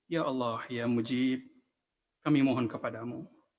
ya allah ya mujib kami mohon kepadamu